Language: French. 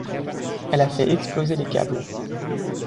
Elle a fait exploser les câbles.